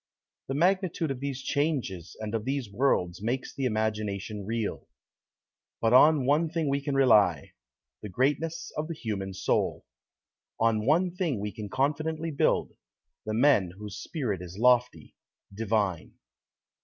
The magnitude of these changes and of these worlds makes the imagination reel. But on one thing we can rely the greatness of the human soul. On one thing we can confidently build the men whose spirit is lofty, divine.